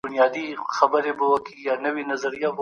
سیال هیواد بهرنۍ پانګونه نه ردوي.